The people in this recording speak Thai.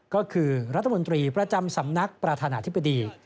ก็คือรัฐมนตรีประจำสำนักประธานาธิบดี